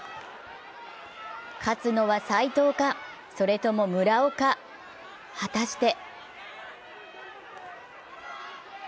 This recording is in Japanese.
勝つのは斉藤か、それとも村尾か、果たして？